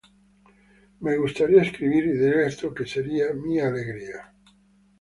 Me gustaría escribir y directo que sería mi alegría".